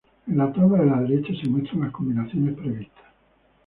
En la tabla de la derecha se muestran las combinaciones previstas.